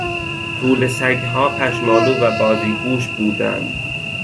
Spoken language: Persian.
توله سگها پشمالو و بازیگوش بودند.